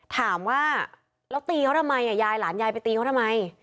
ถามว่าแล้วตีเขาทำไมยายหลานยายไปตีเขาทำไม